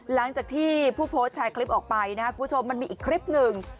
หลังจากที่ผู้โพสไนส์คลิปออกไปนะคุณผู้ชมมันมีคลิปหนึ่ง